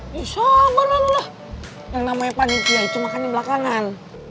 bisa gua lalu lah yang namanya pagi dia itu makannya belakangan